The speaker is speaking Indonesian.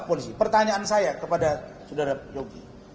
pertanyaan saya kepada saudara yogi